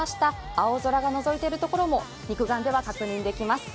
青空がのぞいているところも肉眼では確認できます。